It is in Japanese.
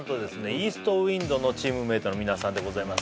イーストウインドのチームメイトの皆さんでございます